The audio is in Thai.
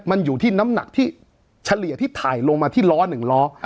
มันอยู่ที่น้ำหนักที่เฉลี่ยที่ถ่ายลงมาที่ล้อ๑ล้อ